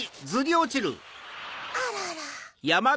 あらら。